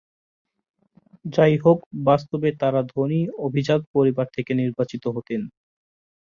যাইহোক, বাস্তবে, তারা ধনী, অভিজাত পরিবার থেকে নির্বাচিত হতেন।